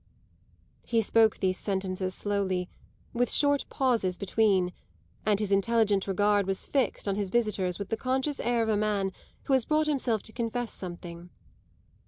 He spoke these sentences slowly, with short pauses between, and his intelligent regard was fixed on his visitor's with the conscious air of a man who has brought himself to confess something.